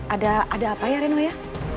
ada apa ya reno ya